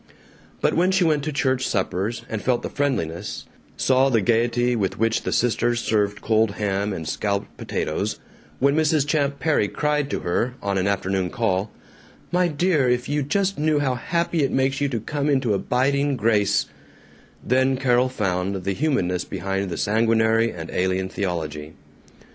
But when she went to church suppers and felt the friendliness, saw the gaiety with which the sisters served cold ham and scalloped potatoes; when Mrs. Champ Perry cried to her, on an afternoon call, "My dear, if you just knew how happy it makes you to come into abiding grace," then Carol found the humanness behind the sanguinary and alien theology.